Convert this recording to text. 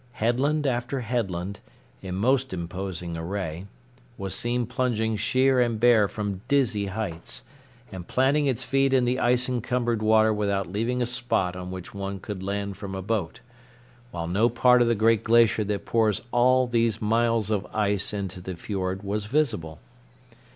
Headland after headland, in most imposing array, was seen plunging sheer and bare from dizzy heights, and planting its feet in the ice encumbered water without leaving a spot on which one could land from a boat, while no part of the great glacier that pours all these miles of ice into the fiord was visible.